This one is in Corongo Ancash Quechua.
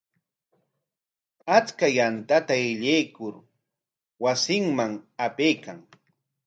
Achka yantata aylluykur wasinman apaykan.